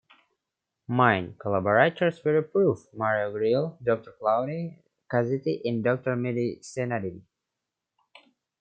Main collaborators were prof. Mario Gerla, Doctor Claudio Casetti and Doctor Medy Senadidi.